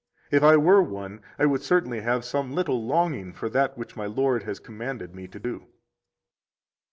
If I were one, I would certainly have some little longing for that which my Lord has commanded [me] to do.